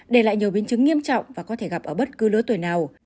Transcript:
để lại nhiều biến chứng nghiêm trọng và có thể gặp ở bất cứ lứa tuổi nào